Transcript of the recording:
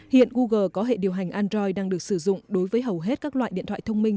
hiện google có hệ điều hành android đang được sử dụng đối với hầu hết các loại điện thoại thông minh